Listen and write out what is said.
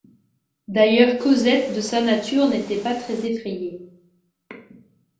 D’ailleurs Cosette de sa nature n’était pas très effrayée.